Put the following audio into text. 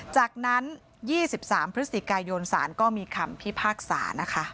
จากนั้น๒๓พฤศติกายยนต์สารก็มีคำพิพากษา